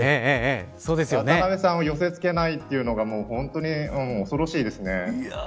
渡辺さんを寄せ付けないというのが本当に恐ろしいですね。